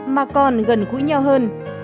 mà còn gần gũi nhau hơn